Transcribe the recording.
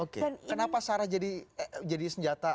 kenapa sarah jadi senjata